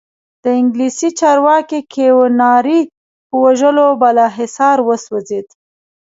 د انګلیسي چارواکي کیوناري په وژلو بالاحصار وسوځېد.